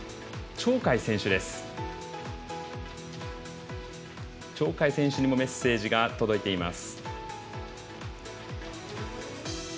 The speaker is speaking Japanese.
鳥海選手にもメッセージが届いています。